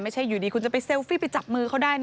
อยู่ดีคุณจะไปเซลฟี่ไปจับมือเขาได้